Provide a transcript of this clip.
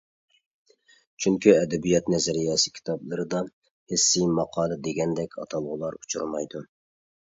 چۈنكى، ئەدەبىيات نەزەرىيەسى كىتابلىرىدا «ھېسسىي ماقالە» دېگەندەك ئاتالغۇلار ئۇچرىمايدۇ.